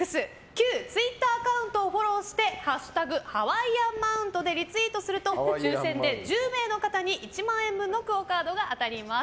旧ツイッターアカウントをフォローして「＃ハワイアンマウント」でリツイートすると抽選で１０名の方に１万円分のクオカードが当たります。